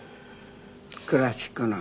クラシックの。